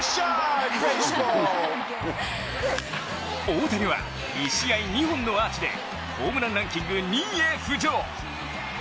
大谷は１試合２本のアーチでホームランランキング２位へ浮上。